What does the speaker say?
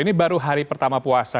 ini baru hari pertama puasa